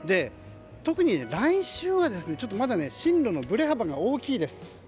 特に来週はまだ進路のブレ幅がまだ大きいです。